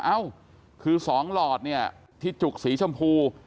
เอ้าคือ๒หลอดที่จุกสีชมพู